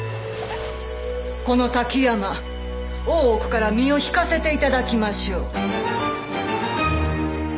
この滝山大奥から身を引かせていただきましょう。